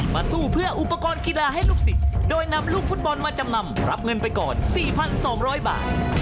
สู้เพื่ออุปกรณ์กีฬาให้ลูกศิษย์โดยนำลูกฟุตบอลมาจำนำรับเงินไปก่อน๔๒๐๐บาท